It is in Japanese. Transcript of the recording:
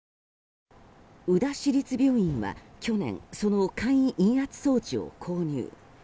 宇陀市立病院は、去年その簡易陰圧装置を購入。